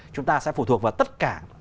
chúng ta sẽ phụ thuộc vào tất cả